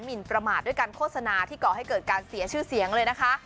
นประมาทด้วยการโฆษณาที่ก่อให้เกิดการเสียชื่อเสียงเลยนะคะ